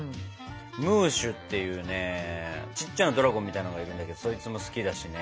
ムーシュっていうねちっちゃなドラゴンみたいのがいるんだけどそいつも好きだしね。